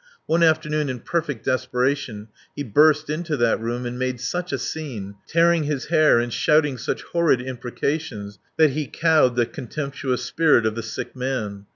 One afternoon in perfect desperation he burst into that room and made such a scene, tearing his hair and shouting such horrid imprecations that he cowed the contemptuous spirit of the sick man.